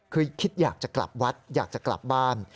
คือคิดอยากจะกลับวัดอยากจะกลับบ้าน